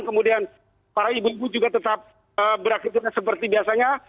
kemudian para ibu ibu juga tetap beraktifitas seperti biasanya